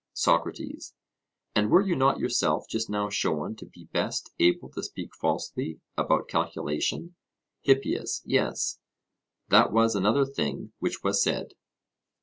SOCRATES: And were you not yourself just now shown to be best able to speak falsely about calculation? HIPPIAS: Yes; that was another thing which was said.